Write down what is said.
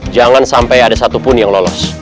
jangan sampai ada satupun yang lolos